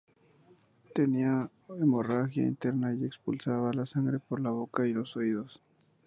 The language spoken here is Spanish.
Tenía hemorragia interna y expulsaba la sangre por la boca y los oídos.